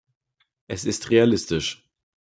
Es ist realistisch.